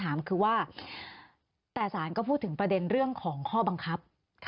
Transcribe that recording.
แต่สานก็พูดถึงประเด็นของข้อบังคับ